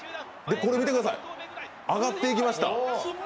これ見てください、上がっていきました。